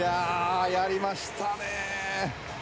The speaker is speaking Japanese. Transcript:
やりましたね！